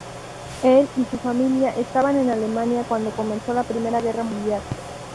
Él y su familia estaban en Alemania cuándo comenzó la Primera Guerra Mundial.